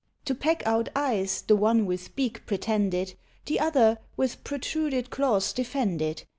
To peck out eyes the one with beak pretended, The other with protruded claws defended.